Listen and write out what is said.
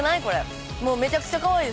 もうめちゃくちゃカワイイ。